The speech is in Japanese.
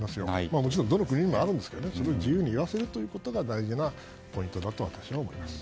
もちろん、どの国にもあるんですけどそれを自由に言わせることがポイントだと思います。